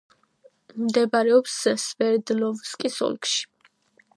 მდებარეობს სვერდლოვსკის ოლქში.